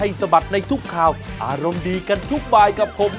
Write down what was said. บินไปตมดอกหมาย